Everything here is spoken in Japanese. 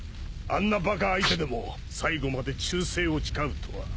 あんなバカ相手でも最後まで忠誠を誓うとは。